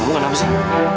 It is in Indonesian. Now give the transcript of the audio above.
kamu kenapa sih